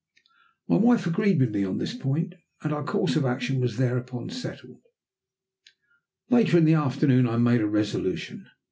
My wife agreed with me on this point, and our course of action was thereupon settled. Later in the afternoon I made a resolution.